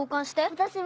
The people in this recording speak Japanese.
私も。